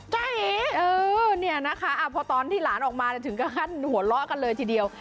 ใช่เออเนี่ยนะคะพอตอนที่หลานออกมาถึงกับขั้นหัวเลาะกันเลยทีเดียว